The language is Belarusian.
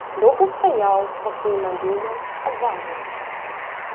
Доўга стаяў, пакуль надумаў, адважыўся.